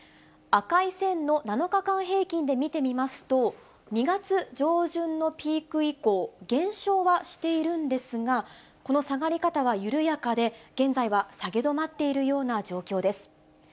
赤い線の７日間平均で見てみますと、２月上旬のピーク以降、減少はしているんですが、この下がり方は緩やかで、現在は下げ止まっているような状況です。